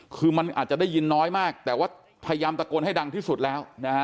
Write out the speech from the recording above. คือมันอาจจะได้ยินน้อยมากแต่ว่าพยายามตะโกนให้ดังที่สุดแล้วนะฮะ